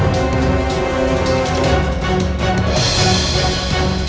bersiaplah putra silibangi